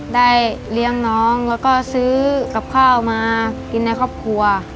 ได้เลี้ยงน้องแล้วก็ซื้อกับข้าวมากินในครอบครัว